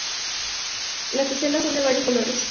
Las teselas son de varios colores.